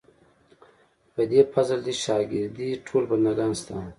په دې فضل دې شاګر دي ټول بندګان ستا.